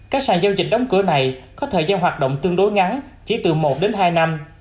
các sàn giao dịch đóng cửa này có thời gian hoạt động tương đối ngắn chỉ từ một đến hai năm